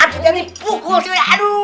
aduh jadi pukul sih aduh